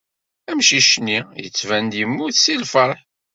Amcic-nni yettban-d yemmut seg lfeṛḥ.